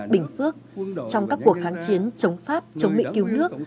bình phước trong các cuộc kháng chiến chống pháp chống mỹ cứu nước